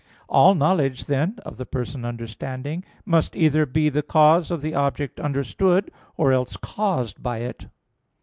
All knowledge, then, of the person understanding must either be the cause of the object understood, or else caused by it.